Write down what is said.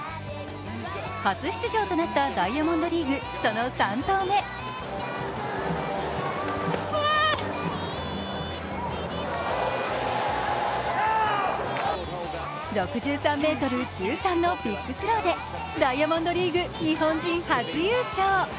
初出場となったダイヤモンドリーグ、その３投目６３ｍ１３のビッグスローでダイヤモンドリーグ日本人初優勝。